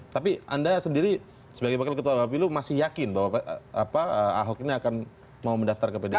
tapi anda sendiri sebagai wakil ketua pilu masih yakin bahwa ahok ini akan mau mendaftar ke pdip